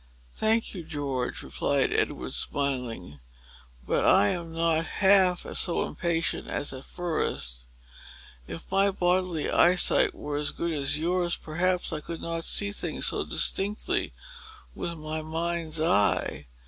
"Thank you, George," replied Edward, smiling; "but I am not half so impatient as at first. If my bodily eyesight were as good as yours, perhaps I could not see things so distinctly with my mind's eye.